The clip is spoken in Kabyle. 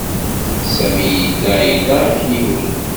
Sami yella ila akniwen.